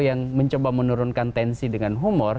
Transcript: yang mencoba menurunkan tensi dengan humor